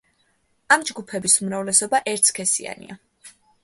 ამ ჯგუფების უმრავლესობა ერთსქესიანია.